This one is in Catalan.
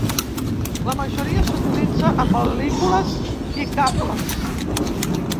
La majoria s'utilitza a pel·lícules i cables.